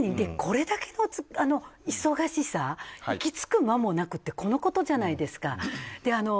これだけの忙しさ息つく間もなくってこのことじゃないですか。